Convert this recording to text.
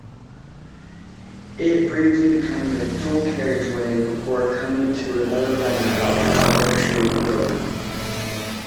It briefly becoming a dual-carriageway before coming to another roundabout by Upper Shirley Road.